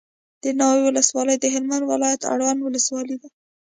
دناوی ولسوالي دهلمند ولایت اړوند ولسوالي ده